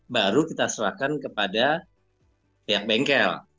baru kita serahkan kepada pihak bengkel